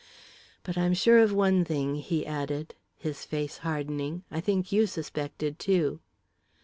But I'm sure of one thing," he added, his face hardening. "I think you suspected, too."